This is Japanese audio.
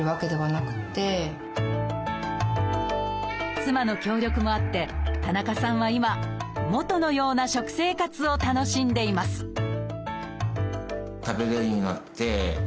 妻の協力もあって田中さんは今元のような食生活を楽しんでいますよかったですね。